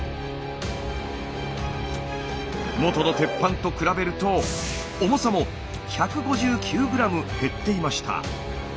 元の鉄板と比べると重さも１５９ｇ減っていました。